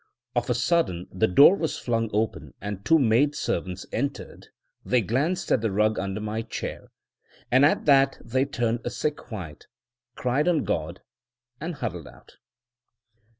Of a sudden the door was flung open and two maid servants entered they glanced at the rug under my chair, and at that they turned a sick white, cried on God, and huddled out.